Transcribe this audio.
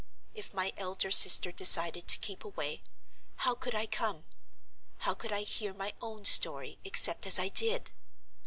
If my elder sister decided to keep away, how could I come? How could I hear my own story except as I did?